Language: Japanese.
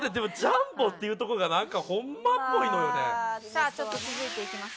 さあちょっと続いていきます。